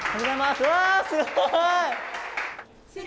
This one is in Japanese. すごい！祝！